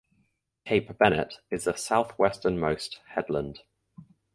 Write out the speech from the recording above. Cape Bennet is the southwesternmost headland.